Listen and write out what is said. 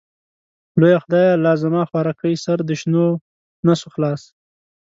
لويه خدايه لازما خوارکۍ سر د شينونسو خلاص.